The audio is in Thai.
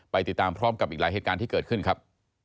ติดตามพร้อมกับอีกหลายเหตุการณ์ที่เกิดขึ้นครับ